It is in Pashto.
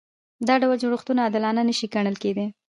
دا ډول جوړښتونه عادلانه نشي ګڼل کېدای.